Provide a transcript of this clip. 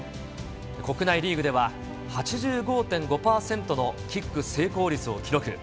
国内リーグでは８５．５％のキック成功率を記録。